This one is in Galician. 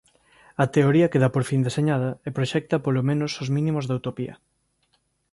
A teoría queda por fin deseñada e proxecta polo menos os mínimos da utopía.